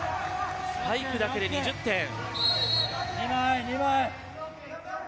スパイクだけで２０点。